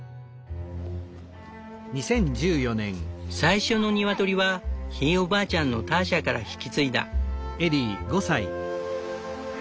最初のニワトリはひいおばあちゃんのターシャから引き継いだ。